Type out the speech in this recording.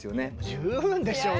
十分でしょう。